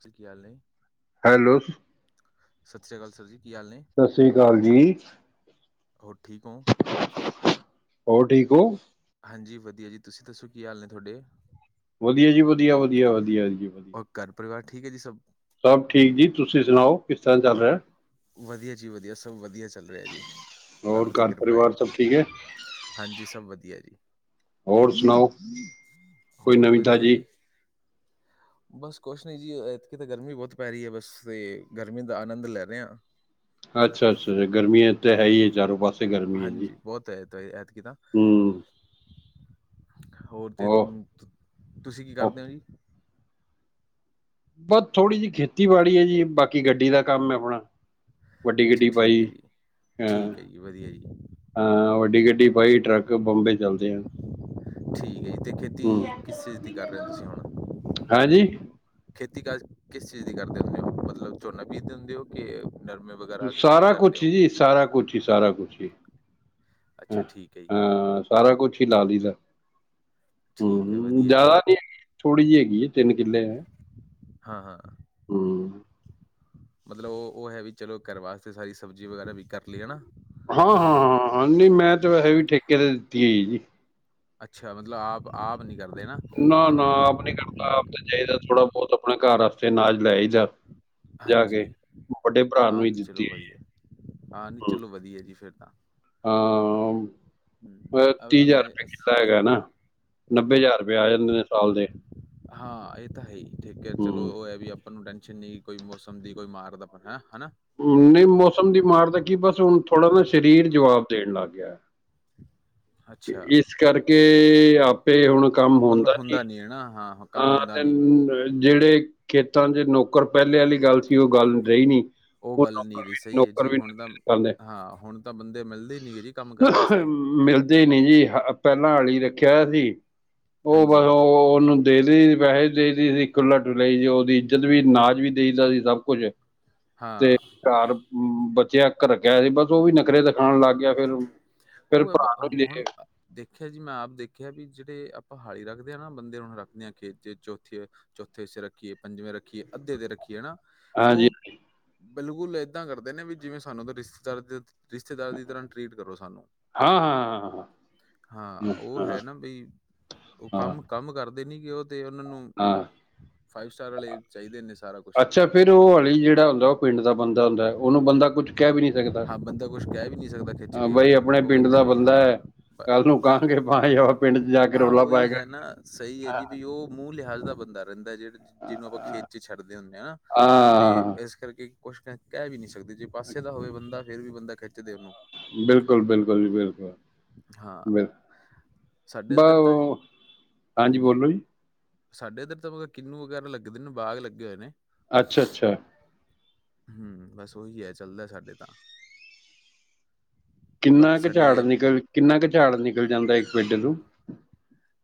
ਸਈ ਗੱਲ ਏ। ਹੈਲੋ। ਸਤਿ ਸ੍ਰੀ ਅਕਾਲ ਸਰ ਜੀ ਕੀ ਹਾਲ ਨੇ। ਸਤਿ ਸ੍ਰੀ ਅਕਾਲ ਜੀ। ਹੋਰ ਠੀਕ ਓ? ਹੋਰ ਠੀਕ ਓ? ਹਾਂਜੀ ਵਧੀਆ ਜੀ, ਤੁਸੀਂ ਦੱਸੋ ਕੀ ਹਾਲ ਨੇ ਥੁਵਾਡੇ? ਵਧੀਆ ਜੀ, ਵਧੀਆ-ਵਧੀਆ, ਵਧੀਆ ਜੀ, ਵਧੀਆ। ਔਰ ਘਰ ਪਰਿਵਾਰ ਠੀਕ ਐ ਜੀ ਸਭ? ਸਭ ਠੀਕ ਜੀ, ਤੁਸੀਂ ਸੁਨਾਓ? ਕਿਸ ਤਰ੍ਹਾਂ ਚੱਲ ਰਿਆ। ਵਧੀਆ ਜੀ, ਵਧੀਆ, ਸਭ ਵਧੀਆ ਚੱਲ ਰਿਐ ਜੀ, ਹੋਰ ਰੱਬ ਦੀ ਘਰ ਕਿਰਪਾ ਏ। ਪਰਿਵਾਰ ਸਭ ਠੀਕ ਹੈ ਹਾਂਜੀ, ਸਭ ਵਧੀਆ ਜੀ। ਹੋਰ ਸੁਣਾਓ ਕੋਈ ਹੋਰ ਨਵੀਂ ਵਧੀਆ ਤਾਜੀ ਜੀ। ਬਸ ਕੋਛ ਨੀ ਜੀ, ਏਦਕੀ ਤੇ ਗਰਮੀ ਬੋਤ ਪੈਰੀ ਏ ਬਸ ਤੇ ਗਰਮੀ ਦਾ ਆਨੰਦ ਲੈਰੇ ਆ। ਅੱਛਾ-ਅੱਛਾ, ਗਰਮੀਆਂ ਤਾਂ ਹੈ ਈ ਐ ਚਾਰੋਂ ਪਾਸ ਹਾਂਜੀ, ਬੋਤ ਐ ਹੈਤ ਐਤਕੀ ਤਾਂ। ਹੂੰ ਹੋਰ ਤੇ, ਉਹ ਤੁਸੀਂ ਕੀ ਕਰਦੇ ਓ ਜੀ? ਬਾ ਥੋੜ੍ਹੀ ਜੀ ਖੇਤੀਬਾੜੀ ਏ ਜੀ, ਬਾਕੀ ਗੱਡੀ ਦਾ ਕੰਮ ਐਂ ਆਪਣਾ। ਵੱਡੀ ਅੱਛਾ ਗੱਡੀ ਠੀਕ ਪਾਈ, ਹੈ ਜੀ ਹਾਂ ਠੀਕ ਹੈ ਜੀ ਵਧੀਆ ਜੀ ਆ ਵੱਡੀ ਗੱਡੀ ਪਾਈ ਟਰੱਕ, ਬੰਬੇ ਚੱਲਦੇ ਆ। ਨਹੀ ਤੇ ਖੇਤੀ, ਹੂੰ ਕਿਸ ਚੀਜ਼ ਦੀ ਕਰ ਰਹੇ ਓ ਤੁਸੀਂ ਹਾਂਜੀ ਹੁਣ। ਖੇਤੀ ਕਾਜ, ਕਿਸ ਚੀਜ਼ ਦੀ ਕਰਦੇ ਹੁੰਨੇ ਓ ਮਤਲਬ, ਝੋਨਾ ਬੀਜਦੇ ਹੁੰਦੇ ਓ ਕਿ ਨਰਮੇ ਵਗੈਰਾ, ਕੀ ਸਾਰਾ ਕਰਦੇ ਕੁਛ ਓ। ਹੀ ਜੀ ਸਾਰਾ ਕੁਸ਼ ਈ, ਸਾਰਾ ਕੁਸ਼ ਈ। ਅੱਛਾ, ਠੀਕ ਏ ਜੀ। ਸਾਰਾ ਕੁੱਛ ਈ ਲਾ ਲੀ ਦਾ, ਠੀਕ ਹੈ ਹਮ ਵਧੀਆ ਜੀ ਜ਼ਿਆਦਾ ਤੇ ਥੋੜੀ ਜੀ ਹੈਗੀ ਐ, ਤਿੰਨ ਕਿੱਲੇ ਐਂ। ਹਾਂ-ਹਾਂ। ਮਤਲਬ ਉਹ-ਉਹ ਹੈ ਵੀ ਚਲੋ, ਘਰ ਵਾਸਤੇ ਸਾਰੀ ਸਬਜ਼ੀ ਵਗੈਰਾ ਵੀ ਕਰ ਲਈ ਹਨਾ। ਹਾਂ-ਹਾਂ, ਹਾਂ-ਹਾਂ, ਨਹੀਂ ਮੈਂ ਤੇ ਵੈਹੇ ਵੀ ਠੇਕੇ ਤੇ ਦਿੱਤੀ ਹੋਈ ਜੀ। ਅੱਛਾ ਮਤਲਬ, ਆਪ-ਆਪ ਨੀ ਕਰਦੇ ਨਾ। ਨਾ-ਨਾ ਆਪ ਨੀ ਕਰਦਾ, ਆਪ ਤੇ ਹਮ, ਚਹੀਦਾ ਥੋੜਾ ਬਹੁਤ ਆਪਣੇ ਘਰ ਵਾਸਤੇ ਅਨਾਜ ਲੈਈਦਾ। ਜਾ ਕੇ ਹਾਂਜੀ ਵੱਡੇ ਭਰਾ ਨੂੰ ਈ ਦਿੱਤੀ ਐ ਜੀ। ਹਾਂਜੀ, ਚਲੋ ਵਧੀਆ ਜੀ ਫੇਰ ਤਾਂ। ਹਾਂ। ਹਮ, ਵੈਹੇ, ਅ- ਤੀਹ ਅ ਜ਼ਾਰ ਮੈਂ ਰਪੈ ਕਿੱਲਾ ਅਸੀਂ ਹੈਗਾ ਨਾ, ਨੱਬੇ ਕਿੰਨੇ ਜ਼ਾਰ ਰਪੇ ਆ ਜਾਂਦੇ ਨੇ ਸਾਲ ਦੇ। ਹਾਂ ਇਹ ਤਾਂ ਹੈ ਈ, ਠੀਕ ਐ ਚਲੋ, ਹੂੰ ਉਹ ਇਹ ਵੀ ਆਪਾਂ ਨੂੰ ਟੈਨਸ਼ਨ ਨਹੀਂ, ਕੋਈ ਮੌਸਮ ਦੀ, ਕੋਈ ਮਾਰਦਾ ਆਪ ਹੈ ਹਨਾ। ਨਹੀਂ ਮੌਸਮ ਦੀ ਮਾਰ ਦਾ ਕੀ ਬਸ, ਹੁਣ ਥੋੜਾ ਨਾ ਸਰੀਰ ਜਵਾਬ ਦੇਣ ਲੱਗ ਗਿਆ। ਅੱਛਾ ਇਸ ਕਰਕੇ ਆਪੇ ਹੁਣ ਕੰਮ ਮਲਬ ਨਹੀਂ ਹੁੰਦਾ ਨੀ ਐ ਨਾ, ਹਾਂ। ਕੰਮ ਹਾਂ ਹੁੰਦਾ ਤੇ ਨੀ ਜਿਹੜੇ ਖੇਤਾਂ 'ਚ ਨੌਕਰ ਪੈਲੇ ਆਲੀ ਗੱਲ ਸੀ ਕਿ ਉਹ ਗੱਲ ਹੁਣ ਰਹੀ ਨੀ। ਓਹ ਗੱਲ ਨੀ ਰਈ, ਸਹੀ ਐ ਜੀ, ਹੁਣ ਤਾਂ ਕਰਨੇ ਹਾਂ ਹੁਣ ਤਾਂ ਬੰਦੇ ਮਿਲਦੇ ਨੀਗੇ ਜੀ, ਕੰਮ ਕਰਨ ਆਸਤੇ। ਨਹੀਂ-ਨਹੀਂ ਜੀ, ਪਹਿਲਾਂ ਹਾਲੀ ਰੱਖਿਆ ਹੋਇਆ ਸੀ, ਉਹ ਬਸ ਹਾਂਜੀ ਉ, ਉਹ, ਉਹਨੂੰ ਡੇਲੀ ਪੈਹੈ ਦ‌ਈਦੀ ਸੀ, ਖੁਲਾ-ਡੁਲਾ ਉਹਦੀ ਇੱਜਤ ਵੀ, ਨਾਜ਼ ਵੀ ਦਈਦਾ ਸੀ ਸਭ ਕੁਝ ਹਾਂ ਤੇ ਘਾਰ ਬੱਚਿਆਂ ਕਰ ਰੱਖਿਆ ਹੋਇਆ ਸੀ, ਬਸ ਉਹ ਵੀ ਨਖ਼ਰੇ ਖਾਣ ਲੱਗ ਗਿਆ ਫੇਰ-ਫੇਰ ਭਰਾ ਹੁੰਨੀ ਲੇਗੇ ਦੇਖੇਆ ਜੀ, ਮੈਂ ਆਪ ਦੇਖੇਐ ਵੀ ਜਿਹੜੇ ਆਪਾਂ ਹਾਲੀ ਰੱਖਦੇ ਹਾਂ ਨਾ, ਬੰਦੇ ਹੁਣ ਰੱਖਦੇ ਹਾਂ ਖੇਤ 'ਚ ਚੋਥੇ ਚੌਥੇ ਹਿੱਸੇ ਰੱਖੀਏ, ਪੰਜਵੇਂ ਰੱਖੀਏ, ਅੱਧੇ ਦੇ ਰੱਖੀਏ ਹੈਨਾ ਹਾਂਜੀ ਉਹ ਬਿਲਕੁਲ ਏਦਾਂ ਕਰਦੇ ਨੇ ਵੀ ਜਿਵੇਂ ਸਾਨੂੰ ਤਾਂ ਰਿਸ਼ਤੇਦਾਰ ਦੇ ਰਿਸ਼ਤੇਦਾਰਾ ਦੀ ਤਰ੍ਹਾਂ ਟਰੀਟ ਕਰੋ ਸਾਨੂੰ। ਹਾਂ-ਹਾਂ ਹਾਂ ਉਹ ਹੈ ਨਾ ਬਈ ਉਹ ਹਾਂ ਹਾਂ ਕੰਮ ਕੰਮ ਕਰਦੇ ਨੀ ਗੇ ਉਹ ਤੇ ਉਹਨਾਂ ਨੂੰ ਹਾਂ ਫਾਈਵ ਸਟਾਰ ਵਾਲੇ ਚਾਹੀਦੇ ਨੇ ਸਾਰਾ ਕੁਛ ਅੱਛਾ ਫੇਰ ਉਹ ਹਲੀ ਜੇੜਾ ਹੁੰਦਾ ਉਹ ਪਿੰਡ ਦਾ ਬੰਦਾ ਹੁੰਦਾ ਉਹਨੂੰ ਬੰਦਾ ਕੁੱਛ ਹਾਂ ਬੰਦਾ ਕੁਛ ਕਹਿ ਵੀ ਨਹੀਂ ਸਕਦਾ ਖਿੱਚ ਹਾਂ ਕੇ ਬਈ ਆਪਣੇ ਉਹ ਪਿੰਡ ਕਹਿੰਦਾ ਦਾ ਬਈ ਬੰਦਾ ਹਾਂ ਹੈ ਕੱਲ ਨੂੰ ਬਸ, ਕਹਾਂਗੇ ਭਾਈ ਉਹ ਪਿੰਡ 'ਚ ਜਾ ਕੇ ਆਹ ਰੌਲਾ ਉਹੀ ਪਾਏਗਾ ਹੈ ਨਾ ਸਹੀ ਏ ਜੀ ਬਈ ਉਹ ਮੂੰਹ ਲਿਹਾਜ਼ ਦਾ ਬੰਦਾ ਰਹਿੰਦਾ ਜੇੜ ਜਿਹਨੂੰ ਆਪਾਂ ਖੇਤ ਚ ਛੱਡਦੇ ਹੁੰਨੇ ਆ ਤੇ ਹਾਂ ਇਸ ਕਰਕੇ ਕੁਛ ਕਹਿ ਵੀ ਨਹੀਂ ਸਕਦੇ ਜੇ ਪਾਸੇ ਦਾ ਹੋਵੇ ਬੰਦਾ ਫੇਰ ਵੀ ਬੰਦਾ ਖਿੱਚਦੇ ਉਹਨੂੰ। ਬਿਲਕੁਲ-ਬਿਲਕੁਲ ਜੀ ਬਿਲਕੁਲ। ਹਾਂ ਸਾਡੇ ਬਿਲਕੁੱਲ ਇੱਧਰ ਤਾਂ ਜੀ [unintelligible] ਹਾਂਜੀ ਬੋਲੋ ਜੀ। ਸਾਡੇ ਤੇ ਇੱਧਰ ਬਹੁਤੇ ਕਿੰਨੂੰ ਵਗੈਰਾ ਲੱਗਦੇ ਨੇ ਬਾਗ ਲੱਗੇ ਹੋਏ ਨੇ। ਅੱਛਾ-ਅੱਛਾ। ਹੂੰ ਬਸ ਉਹੀ ਹੈ ਚੱਲਦਾ ਸਾਡੇ ਤਾਂ। ਕਿੰਨਾ ਬਾਕੀ ਕੁ ਸਾਡੇ ਇਹ ਝਾੜ ਹੈ ਵੀ ਨਿਕਲ ਕਿੰਨਾ ਕੁ ਝਾੜ ਨਿਕਲ ਜਾਂਦਾ ਇੱਕ ਪੇਡੇ ਤੋਂ?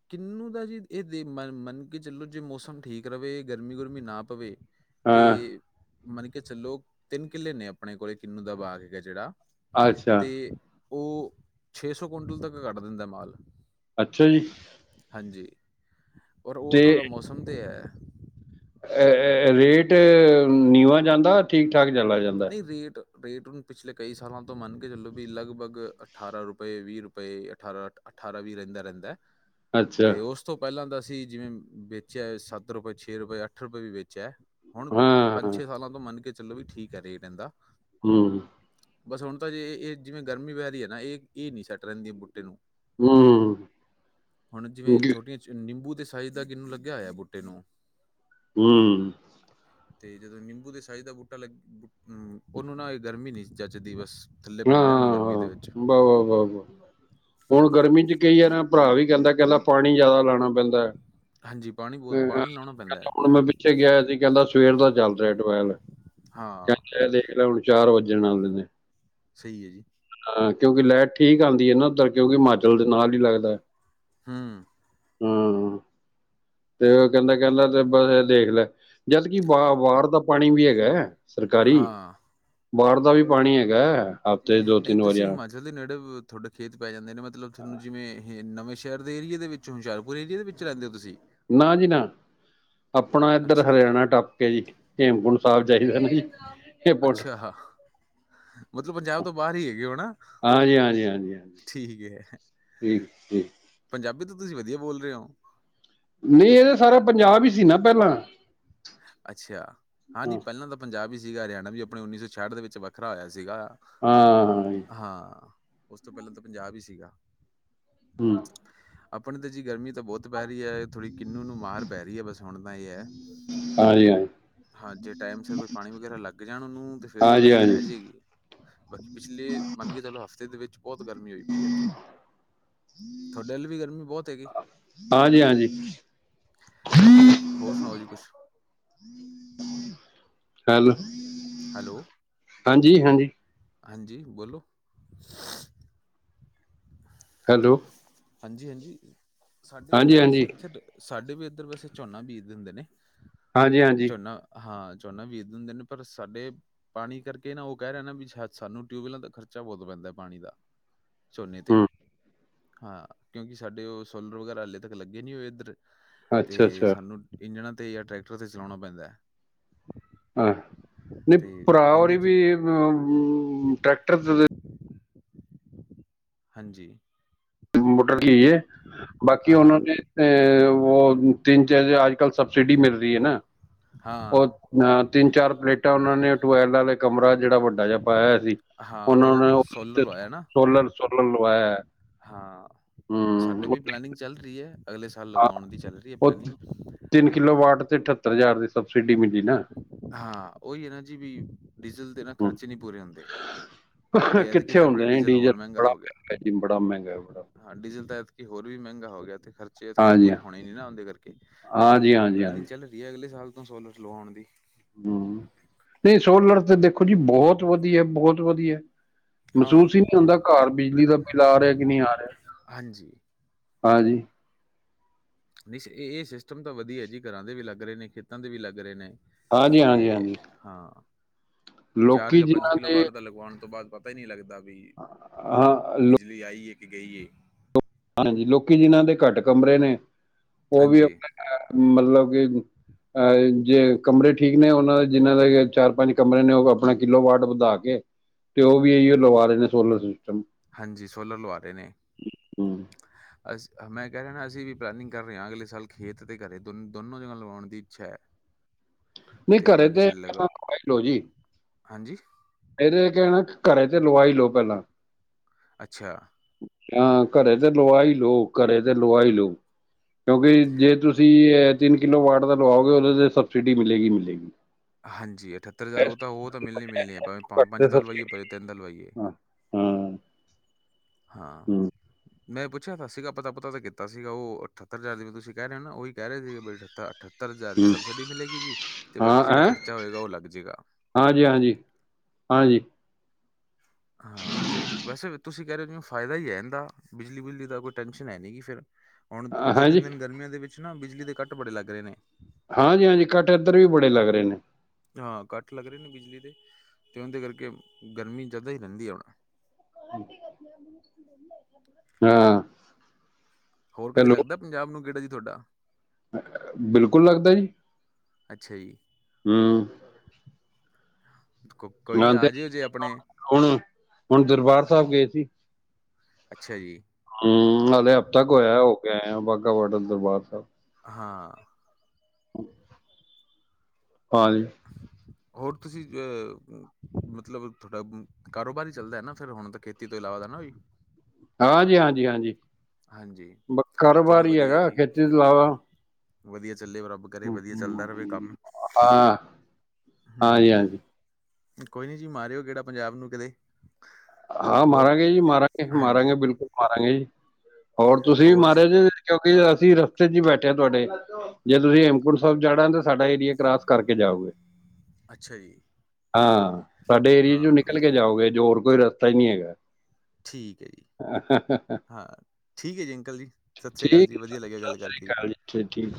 ਕਿੰਨੂੰ ਦਾ ਜੀ ਇਹ ਦੇਖ ਮੰਨ ਕੇ ਚਲੋ ਜੇ ਮੌਸਮ ਠੀਕ ਰਵੇ ਗਰਮੀ ਗੁਰਮੀ ਨਾ ਪਵੇ, ਹਾਂ ਤੇ ਮਨ ਕੇ ਚਲੋ ਤਿੰਨ ਕਿੱਲੇ ਨੇ ਆਪਣੇ ਕੋਲ ਕਿੰਨੂੰ ਦਾ ਬਾਗ ਹੈਗਾ ਜੇੜਾ ਅੱਛਾ ਤੇ ਉਹ ਛੇ ਸੌ ਕੁਵਂਟਲ ਤੱਕ ਕੱਟ ਦਿੰਦਾ ਮਾਲ। ਅੱਛਾ ਜੀ। ਹਾਂਜੀ, ਔਰ ਉਹ ਥੋੜ੍ਹਾ ਮੌਸਮ ਤੇ ਹੈ। ਅਹ ਰੇਟ ਨੀਵਾਂ ਜਾਂਦਾ ਠੀਕ ਠਾਕ ਚਲਾ ਜਾਂਦਾ? ਨਹੀਂ ਰੇਟ ਰੇਟ ਹੁਣ ਪਿਛਲੇ ਕਈ ਸਾਲਾਂ ਤੋਂ ਮੰਨ ਕੇ ਚਲੋ ਬਈ ਲਗਭਗ ਅਠਾਰਾਂ ਰੁਪਏ ਵੀਹ ਰੁਪਏ ਅਠਾਰਾਂ ਅੱਠ ਅਠਾਰਾਂ ਵੀ ਰਹਿੰਦਾ ਰਹਿੰਦਾ ਅੱਛਾ ਤੇ ਉਸ ਸਭ ਤੋਂ ਪਹਿਲਾਂ ਤਾਂ ਅਸੀਂ ਜਿਵੇਂ ਵੇਚਿਆ ਸੱਤ ਰੁਪਏ ਛੇ ਰੁਪਏ ਅੱਠ ਰੁਪਏ ਵੀ ਵੇਚਿਆ। ਹੁਣ ਹਾਂ ਪੰਜ ਹਾਂ, ਛੇ ਸਾਲਾਂ ਤੋਂ ਮੰਨ ਕੇ ਚਲੋ ਬਈ ਠੀਕ ਹੈ ਰੇਟ ਅਹੰਦਾ। ਹੂੰ। ਬਸ ਹੁਣ ਤਾਂ ਜੇ ਇਹ ਜਿਵੇਂ ਗਰਮੀ ਪੈ ਰਹੀ ਹੈ ਨਾ ਇਹ, ਇਹ ਨੀ ਸੈੱਟ ਰਹਿੰਦੀ ਬੂਟੇ ਨੂੰ। ਹੂੰ। ਹੁਣ ਜਿਵੇਂ ਜੀ, ਛੋਟੀਆਂ ਨਿੰਬੂ ਦੇ ਸਾਈਜ਼ ਦਾ ਕਿਨੂੰ ਲੱਗਿਆ ਹੋਇਆ ਬੂਟੇ ਨੂੰ ਹੂੰ। ਤੇ ਜਦੋਂ ਨਿੰਬੂ ਦੇ ਸਾਈਜ਼ ਦਾ ਬੂਟਾ ਲੱਗੇ, ਹੂੰ, ਉਹਨੂੰ ਨਾ ਏ ਗਰਮੀ ਨਹੀਂ ਜਚਦੀ ਬਸ। ਥੱਲੇ [unintelligible] ਪੈਂਦਾ ਹੁਣ ਗਰਮੀ ਦੇ ਵਿੱਚ ਹੁਣ ਗਰਮੀ ਚ ਕਈ ਅਰਾਂ ਭਰਾ ਵੀ ਕਹਿੰਦਾ, ਕਹਿੰਦਾ ਪਾਣੀ ਜ਼ਿਆਦਾ ਲਾਨਾ ਪੈਂਦਾ। ਹਾਂਜੀ ਪਾਣੀ [unintelligible] ਲਾਉਣਾ ਪੈਂਦਾ [unintelligible] ਹੈ। ਹੁਣ ਮੈਂ ਪਿੱਛੇ ਗਯਾ ਹੋਯਾ ਸੀ ਕਹਿੰਦਾ ਸਵੇਰ ਦਾ ਚੱਲ ਰਿਹਾ ਟੂਵੈਲ ਹਾਂ ਕਹਿੰਦਾ ਐਹ ਦੇਖ ਲੈ ਹੁਣ ਚਾਰ ਵੱਜਣ ਆਲੇ ਨੇ। ਸਹੀ ਏ ਜੀ। ਹਾਂ ਕਿਉਂਕਿ ਲੈਟ ਠੀਕ ਆਂਦੀ ਏ ਨਾ ਉੱਧਰ ਕਿਉਂਕਿ ਹਿਮਾਚਲ ਦੇ ਨਾਲ ਈ ਲੱਗਦਾ। ਹੂੰ। ਹੂੰ, ਫ਼ੇਰ ਉਹ ਕਹਿੰਦਾ, ਕਹਿੰਦਾ ਬਸ ਇਹ ਦੇਖ ਲੈ। ਜਦਕਿ ਵਾ ਵਾੜ ਦਾ ਪਾਣੀ ਵੀ ਹੈਗਾ ਹੈ ਸਰਕਾਰੀ। ਹਾਂ ਵਾੜ ਦਾ ਵੀ ਪਾਣੀ ਹੈਗਾ ਹੈ। ਨਹੀਂ ਤੁਸੀਂ ਹਿਮਾਚਲ ਦੇ ਨੇੜੇ ਤੁਵਾਡੇ ਖੇਤ ਪੈ ਜਾਂਦੇ ਨੇ ਮਤਲਬ ਤੁਸੀ ਜਿਵੇਂ ਨਵੇਂ ਸ਼ ਸ਼ਹਿਰ ਦੇ ਏਰੀਏ ਦੇ ਵਿੱਚੋ ਹੁਸ਼ਿਆਰਪੁਰ ਏਰੀਏ ਦੇ ਵਿੱਚ ਰਹਿੰਦੇ ਔ ਤੁਸੀ? ਨਾ ਜੀ ਨਾ। ਆਪਣਾ ਐਧਰ ਅੱਛਾ ਹਰਿਆਣਾ ਟੱਪ ਕੇ ਜੀ ਹੇਮਕੁੰਟ ਸਾਹਬ ਜਾਈਦਾ ਹੈ ਨਾ ਜੀ ਹੇਪੁੰਟ ਹਾ ਮਤਲਬ ਪੰਜਾਬ ਤੋਂ ਬਾਹਰ ਹੀ ਹੈਗੇ ਓ ਨਾ? ਹਾਂਜੀ ਹਾਂਜੀ ਹਾਂਜੀ ਹਾਂਜੀ ਠੀਕ ਹੈ ਠੀਕ ਠੀਕ ਪੰਜਾਬੀ ਤੇ ਤੁਸੀਂ ਵਦੀਆ ਬੋਲ ਰਹੇ ਹੋ ਨਈ ਅਸੀ ਸਾਰੇ ਪੰਜਾਬ ਹੀ ਸੀ ਨਾ, ਪਹਿਲਾਂ। ਅੱਛਾ ਹਾਂਜੀ ਹਾਂ ਪਹੈਲਾਂ ਤਾਂ ਪੰਜਾਬ ਹੀ ਸੀਗਾ। ਹਰਿਆਣਾ ਵੀ ਆਪਣੇ ਉੰਨੀ ਸੌ ਛਿਆਠ ਦੇ ਵਿੱਚ ਵੱਖਰਾ ਹੋਇਆ ਸੀਗਾ। ਹਾਂ ਜੀ ਹਾਂ, ਉਸ ਤੋਂ ਪਹੈਲਾਂ ਤਾਂ ਪੰਜਾਬ ਹੀ ਸੀਗਾ। ਹੂੰ। ਆਪਣੀ ਤੇ ਜੀ ਗਰਮੀ ਤਾਂ ਬਹੁਤ ਪੈ ਰਹੀ ਹੈ। ਥੋੜ੍ਹੀ ਕਿੰਨੂ ਨੂੰ ਮਾਰ ਪੈ ਰਹੀ ਹੈ ਬਸ ਹੁਣ ਤਾਂ ਏ ਹੈ ਬਈ ਹਾਂਜੀ ਹਾਂਜੀ ਹਾਂ ਜੇ ਟੈਮ ਸਿਰ ਪਾਣੀ ਵਗੈਰਾ ਲੱਗ ਜਾਣ ਓਹਨੂੰ ਤੇ ਫੇਿਰ ਤਾਂ ਹਾਂਜੀ ਬੱਚਤ ਹਾਂਜੀ ਰੈ ਜਾਏਗੀ। ਬਾਕੀ ਪਿਛਲੇ ਮਨ ਕੇ ਚਲੋ ਹਫ਼ਤੇ ਦੇ ਵਿੱਚ ਬੋਤ ਗਰਮੀ ਹੋਈ ਪਈ ਹੈ ਇੱਥੇ। ਥਾਡੇ ਵਲ ਵੀ ਗਰਮੀ ਬੋਤ ਹੈਗੀ? ਹਾਂਜੀ ਹਾਂਜੀ ਹੋਰ, ਹੋਰ ਸੁਣਾਓ ਜੀ ਕੁਛ। ਹੈਲੋ, ਹੈਲੋ ਹਾਂਜੀ-ਹਾਂਜੀ। ਹਾਂਜੀ, ਬੋਲੋ। ਹੈਲੋ ਹਾਂਜੀ-ਹਾਂਜੀ, ਸਾਡੀ ਵੀ ਨਾ ਹਾਂਜੀ ਵੈਸੇ ਹਾਂਜੀ ਐਥੇ ਸਾਡੇ ਵੀ ਐਧਰ ਵੈਸੇ ਝੋਨਾ ਬੀਜ ਦੇਂਦੇ ਨੇ। ਹਾਂਜੀ ਹਾਂਜੀ ਝੋਨਾ, ਹਾਂ ਝੋਨਾ ਬੀਜ ਦਿੰਦੇ ਨੇ ਪਰ ਸਾਡੇ ਪਾਨੀ ਕਰਕੇ ਨਾ ਓਹ ਕੈ ਰਹੇ ਨੇ ਬੀ ਛ ਸਾਨੂੰ ਟਿਊਵੈਲਾਂ ਦਾ ਖਰਚਾ ਬਹੁਤ ਪੈਂਦਾ ਪਾਣੀ ਦਾ, ਝੋਨੇ ਤੇ ਹੂੰ ਹਾਂ ਕਿਉਂਕਿ ਸਾਡੇ ਓਹ ਸੋਲਰ ਵਗੈਰਾ ਹਲੇੇ ਤੱਕ ਲੱਗੇ ਨ੍ਹੀਂ ਹੋਏ ਐਧਰ। ਅੱਛਾ ਤੇ ਅੱਛਾ ਸਾਨੂੰ ਇੰਜਣਾਂ ਤੇ ਯਾ ਟਰੈਕਟਰਾਂ ਤੇ ਚਲੋਣਾ ਪੈਂਦੈ। ਹਾਂ, ਨਈਂ ਭਰਾ ਹੋਰੀ ਉਹਦੇ ਚ ਵੀ ਟਰੈਕਟਰ ਹਾਂਜੀ। ਮੋਟਰ ਲਗੀ ਹੋਈ ਏ ਬਾਕੀ ਹਾਂ ਹਾਂ ਓਹਨਾ ਦੇ ਓ ਤਿੰਨ ਚਾਰ ਕੱਲ ਸਬਸਿਡੀ ਮਿਲ ਰਹੀ ਏ ਨਾ। ਓ ਹਾਂ ਨਾਲ ਤਿੰਨ ਚਾਰ ਪਲੇਟਾਂ ਓਹਨਾਂ ਨੇ ਟੂਐਲ ਵਾਲੇ ਕਮਰਾ ਜੇਹੜਾ ਵੱਡਾ ਜਾ ਪਾਇਆ ਹੋਇਆ ਸੀ ਓਹਨਾਂ ਨੇ ਓਥੇ ਸੋਲਰ ਸੋਲਰ ਲਵਾਇਆ ਐ। ਹਾਂ। ਹੁਮ। ਸਾਡੇ ਵੀ ਪਲੈਨਿੰਗ ਚੱਲ ਰਹੀ ਏ ਅਗਲੇ ਸਾਲ ਲਗਵਾਉਣ ਦੀ, ਚੱਲ ਰਹੀ ਏ ਉਹ ਪਲੈਨਿੰਗ। ਤਿੰਨ ਕਿਲੋ ਵਾਟ ਤੇ ਅਠੱਤਰ ਹਜ਼ਾਰ ਦੀ ਸਬਸਿਡੀ ਮਿਲੀ ਨਾ ਹਾਂ, ਓਈ ਏ ਨਾ ਜੀ ਵੀ ਡੀਜ਼ਲ ਦੇ ਨਾ ਹੂੰ ਖਰਚੇ ਨੀ ਪੂਰੇ ਹੁੰਦੇ। ਤੇ ਐਤਕੀ ਕਿੱਥੇ ਤਾਂ ਆਪਣੇ ਹੁੰਦੇ ਨੇ ਡੀਜ਼ਲ ਹੋਰ ਮਹਿੰਗਾ ਬੜਾ ਹੋ ਗਿਆ ਮੈਂਗਾ ਜੀ ਬੜਾ ਮੈਂਗਾ ਬੜਾ। ਹਾਂ ਡੀਜ਼ਲ ਤੇ ਐਤਕੀ ਹੋਰ ਵੀ ਮਹਿੰਗਾ ਹੋ ਗਿਆ ਤੇ ਖਰਚਾ ਸੇਹਤ ਕਿਤੇ ਹਾਂਜੀ ਪੂਰੀ ਹੋਣੇ ਏ ਨਾ ਓਂਹਦੇ ਕਰਕੇ, ਤਾਂ ਹਾਂਜੀ ਹਾਂਜੀ ਪਲੈਨਿੰਗ ਹਾਂਜੀ ਚੱਲ ਰਹੀ ਹੈ ਅਗਲੇ ਸਾਲ ਤੋਂ ਸੋਲਰ ਲਵਾਉਣ ਦੀ। ਹੂੰ, ਨਈਂ ਸੋਲਰ ਤੇ ਦੇਖੋ ਜੀ ਬੋਹਤ ਵਦੀਐ ਬੋਹਤ ਵਦੀਆ। ਹਾਂ ਮਸੂਸ ਈ ਨਈ ਹੁੰਦਾ ਘਰ ਬਿਜਲੀ ਦਾ ਬਿੱਲ ਆ ਰਿਹਾ ਕਿ ਨਹੀਂ ਆ ਰਿਹਾ। ਹਾਂਜੀ ਹਾਂਜੀ। ਨਈ ਏਹ ਸਿਸਟਮ ਤਾਂ ਵਦੀਆ ਜੀ ਘਰਾਂ ਦੇ ਵੀ ਲੱਗ ਰਹੇ ਨੇ ਖੇਤਾਂ ਦੇ ਵੀ ਲੱਗ ਰਹੇ ਨੇ ਹਾਂਜੀ ਤੇ ਹਾਂਜੀ ਹਾਂਜੀ ਹਾਂ, ਚਾਰ ਲੋਕੀ ਯਾ ਪੰਜ ਜਿਨ੍ਹਾਂ ਕਿੱਲੋ ਦੇ ਵਾਟ ਦਾ ਲਗਵਾਣ ਤੋਂ ਬਾਅਦ ਬਾ ਪਤਾ ਈ ਨਹੀਂ ਲੱਗਦਾ ਬੀ ਹਾਂ ਬਿਜਲੀ ਆਈ ਏ ਕਿ ਗਈ ਏ। ਹਾਂਜੀ, ਲੋਕੀ ਜਿਨ੍ਹਾਂ ਦੇ ਘੱਟ ਕਮਰੇ ਨੇ ਓਹ ਵੀ ਹਾਂਜੀ, ਆਪਨੇ ਘਰ ਮਲਬ ਕਿ ਅਹੀ ਜੇ ਕਮਰੇ ਠੀਕ ਨੇ ਉਹਨਾਂ ਦੇ ਜਿਨਾਂ ਦੇ ਚਾਰ- ਪੰਜ ਕਮਰੇ ਨੇ ਉਹ ਆਪਣਾ ਕਿੱਲੋ ਵਾਟ ਵਧਾ ਕੇ ਤੇ ਉਹ ਵੀ ਇਹੀ ਲਵਾ ਰਹੇ ਨੇ ਸੋਲਰ ਸਿਸਟਮ। ਹਾਂਜੀ ਸੋਲਰ ਲਆ ਰਹੇ ਨੇ। ਹੂੰ ਅਸ, ਮੈਂ ਕਹਿ ਰਿਹਾ ਨਾ ਅਸੀਂ ਵੀ ਪਲੈਨਿੰਗ ਕਰ ਰਹੇ ਹਾਂ ਅਗਲੇ ਸਾਲ ਖੇਤ ਤੇ ਘਰੇ ਦੋਨ -ਦੋਨੋਂ ਜਗ੍ਹਾ ਲਵਾਉਣ ਦੀ ਇੱਛਾ ਐ। ਨਹੀਂ ਘਰੇ ਤੇ ਲਗਾ [unintelligible] ਲੋਓ ਜੀ। ਹਾਂਜੀ ਇਹਦੇ ਕਹਿਣਾ ਨਾਲ ਘਰੇ ਤੇ ਲਵਾਈ ਲੋਓ ਪਹਿਲਾਂ। ਅੱਛਾ। ਹਾਂ ਘਰੇ ਤੇ ਲਵਾਈ ਲੋਓ ਘਰੇ ਤੇ ਲਵਾਈ ਲੋਓ। ਕਿਉਂਕਿ ਜੇ ਤੁਸੀਂ ਤਿੰਨ ਕਿਲੋ ਵਾਟ ਦਾ ਲਓਗੇ ਉਹਦੇ ਤੇ ਸਬਸਿਡੀ ਮਿਲੇਗੀ- ਮਿਲੇਗੀ। ਹਾਂਜੀ ਅਠੱਤਰ ਹਜ਼ਾਰ ਉਹ ਤਾਂ ਉਹ ਤਾਂ ਮਿਲਣੀ- ਮਿਲਣੀ ਹੈ ਭਾਂਵੇ ਘੱਟ ਪੰਜ ਤੇ ਤਾਂ ਲਵਾਈਏ ਸਬਸਿਡੀ ਭਾਵੇ ਤਿੰਨ ਤ ਲਵਾਈਏ। ਹਾਂ ਹਾਂ ਹਾਂ। ਹੂੰ ਮੈਂ ਪੁੱਛਿਆ ਤਾਂ ਸੀਗਾ ਪਤਾ -ਪੁਤਾ ਤਾਂ ਕੀਤਾ ਸੀਗਾ ਉਹ ਅਠੱਤਰ ਹਜ਼ਾਰਂ ਤੁਸੀਂ ਕਹਿ ਰਹੇ ਹੋ ਨਾ ਉਹੀ ਕਹਿ ਰਹੇ ਸੀਗੇ ਬਾਈ ਅਠੱ-ਅਠੱਤ ਅੱਠਤਰ ਹਜ਼ਾਰ ਦੀ ਹੂੰ ਸਬਸਿਡੀ ਮਿਲੇਗੀ ਜੀ ਤੇ ਬਾਕੀ ਜੇੜਾ ਖਰਚਾ ਹੋਏਗਾ ਓ ਲੱਗ ਜੇਗਾ। ਹਾਂ ਜੀ। ਹਾਂ ਜੀ- ਹਾਂਜੀ। ਹਾਂ ਤੇ ਵੈਸੇ ਤੁਸੀਂ ਕੈ ਰੇ ਓ ਫਾਇਦਾ ਈ ਐ ਏਂਦਾ। ਬਿਜਲੀ ਬੁਜਲੀ ਦਾ ਕੋਈ ਟੈਸ਼ਨ ਹੈ ਨੀ ਫਿਰ। ਹੁਣ ਦੋ ਹਾਂਜੀ -ਤਿੰਨ ਦਿਨ ਗਰਮੀਆਂ ਦੇ ਵਿੱਚ ਨਾ ਬਿਜਲੀ ਦੇ ਕੱਟ ਬੜੇ ਲੱਗ ਰਹੇ ਨੇ। ਹਾਂ ਜੀ ਹਾਂਜੀ ਕੱਟ ਇਧੱਰ ਵੀ ਬੜੇ ਲੱਗ ਰਹੇ ਨੇ। ਜੀ ਹਾਂ ਕੱਟ ਲੱਗ ਰੇ ਨੇ ਬਿਜਲੀ ਦੇ, ਤੇ ਉਨ ਦੇ ਕਰਕੇ ਗਰਮੀ ਜਾਦਾ ਈ ਰੈਂਦੀ ਹੁਣ। ਹਾਂ ਹੋਰ ਕਦੇ ਲੱਗਦਾ ਪੰਜਾਬ ਨੂੰ ਗੇੜਾ ਜੀ ਤੋਹਾਡਾ? ਅ, ਬਿਲਕੁਲ ਲੱਗਦਾ ਜੀ। ਅੱਛਾ ਜੀ ਹੂੰ ਕੋ-ਕੋਈ ਨੀ ਹਾਂ ਤੇ ਆਜਿਓ ਜੇ ਆਪਣੇ। ਹੁਣ, ਹੁਣ ਦਰਬਾਰ ਸਾਹਿਬ ਗਏ ਸੀ। ਅੱਛਾ ਜੀ। ਹੂੰ ਹਾਲੇੇ ਹਫ਼ਤਾ ਕੁ ਹੋਇਆ ਹੋ ਕੇ ਆਇਆ ਬਾਘਾ ਬਾਡਰ, ਦਰਬਾਰ ਸਾਹਿਬ। ਹਾਂ [inaudible] ਹਾਂਜੀ ਹੋਰ ਤੁਸੀਂ ਏ ਮਤਲਬ ਥੋਡਾ ਕਾਰੋਬਾਰ ਈ ਚੱਲਦਾ ਨਾ ਫੇਰ ਹੁਣ ਤਾਂ ਖੇਤੀ ਤੋਂ ਇਲਾਵਾ ਦਾ ਨਾ ਵੀ? ਹਾਂਜੀ -ਹਾਂਜੀ- ਹਾਂਜੀ, ਹਾਂਜੀ ਬ ਚਲੋ ਕਾਰੋਬਾਰ ਈ ਵਧੀਆ ਹੈਗਾ ਜੀ ਖੇਤੀ ਤੋਂ ਇਲਾਵਾ। ਵਧੀਆ ਚੱਲੇ ਓ ਰੱਬ- ਕਰੇ ਹੂੰ, ਵਧੀਆ ਚੱਲਦਾ ਰਵੇ ਹੂੰ, ਕੰਮ। ਹਾਂ ਹੂੰ ਹਾਂਜੀ ਹਾਂਜੀ ਕੋਈ ਨੀ ਜੀ ਮਾਰਿਓ ਗੇੜਾ ਪੰਜਾਬ ਨੂੰ ਕਦੇ। ਹਾਂ ਹੋਰ ਮਾਰਾਂਗੇ ਜੀ ਮਾਰਾਂਗੇ, ਹਾਂਜੀ ਮਾਰਾਂਗੇ ਬਿਲਕੁਲ ਮਾਰਾਂਗੇ ਜੀ। ਹੋਰ ਤੁਸੀਂ ਵੀ ਮਾਰਿਆ ਜੇ ਕਿਉਂਕਿ ਅਸੀਂ ਰਸਤੇ' ਚ ਈ ਬੈਠੇ ਆਂ ਤੁਆਡੇ, ਜੇ ਤੁਸੀਂ ਹੇਮਕੁੰਟ ਸਾਬ ਜਾਣਾ ਤੇ- ਸਾਡਾ ਏਰੀਆ ਕਰਾਸ ਕਰਕੇ ਜਾਓਗੇ। ਅੱਛਾ ਜੀ ਹਾਂ ਸਾਡੇ ਏਰੀਏ ਹਾਂ ਚੋ ਨਿਕਲ ਕੇ ਜਾਓਗੇ, ਜੋ ਹੋਰ ਕੋਈ ਰਸਤਾ ਈ ਨੀ ਹੈਗਾ। ਠੀਕ ਏ ਜੀ। [inaudible] ਹਾਂ, ਠੀਕ ਏ ਜੀ ਅੰਕਲ ਜੀ। ਸਤਿ ਸ੍ਰੀ ਕਾਲ ਜੀ ਵਧੀਆ ਲੱਗਿਆ ਗੱਲ ਕਰਕੇ ਜੀ। ਛੇਤੀ